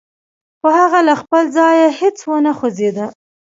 خو هغه له خپل ځايه هېڅ و نه خوځېده.